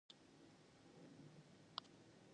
Copper and silver have been mined from the region.